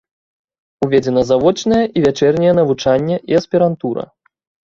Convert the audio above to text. Уведзена завочнае і вячэрняе навучанне і аспірантура.